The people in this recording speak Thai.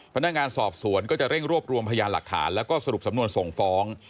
พนักงานสอบสวนก็จะเร่งรวบรวมพยานหลักฐานแล้วก็สรุปสำนวนส่งฟ้อง